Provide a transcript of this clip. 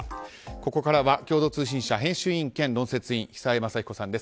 ここからは共同通信社編集委員兼論説員久江雅彦さんです。